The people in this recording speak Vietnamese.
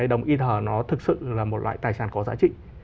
đồng inter nó thực sự là một loại tài sản có giá trị